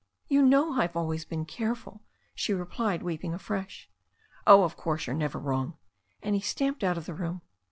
"You know I have always been careful," she replied, weeping afresh. "Oh, of course, you're never wrong." And he stamped out of the room.